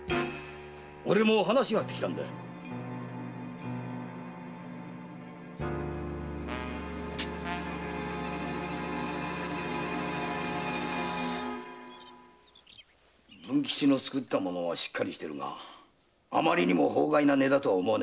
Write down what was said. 俺も話があって来たんだよ。文吉の作った物はしっかりしてるがあまりにも法外な値だと思わねえかい？